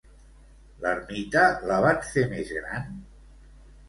L'ermita la van fer més gran?